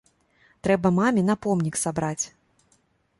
Трэба маме на помнік сабраць.